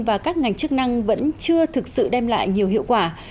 và các ngành chức năng vẫn chưa thực sự đem lại nhiều hiệu quả